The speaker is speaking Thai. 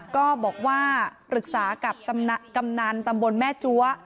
ก็บอกว่าปรึกษากับกำนันตำบลแม่จั๊ว